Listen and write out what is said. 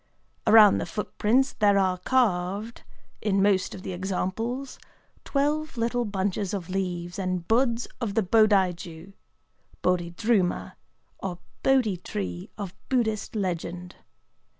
Around the footprints there are carved (in most of the examples) twelve little bunches of leaves and buds of the Bodai jū ("Bodhidruma"), or Bodhi tree of Buddhist legend.